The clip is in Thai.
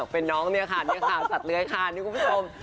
เป็นน้องเนี่ยค่ะนี่ค่ะสัตว์เลื้อยคานนี่คุณผู้ชม